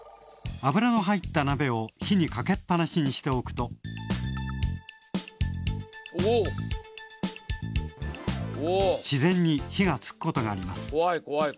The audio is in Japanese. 油の入ったなべを火にかけっぱなしにしておくと自然に火がつくことがあります。